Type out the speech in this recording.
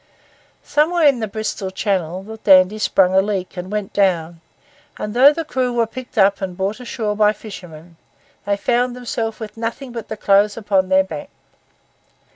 Somewhere in the Bristol Channel the dandy sprung a leak and went down; and though the crew were picked up and brought ashore by fishermen, they found themselves with nothing but the clothes upon their back.